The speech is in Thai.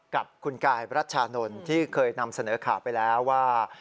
กับคุณกายรัชชานนท์ที่เคยนำเสนอข่าวไปแล้วว่า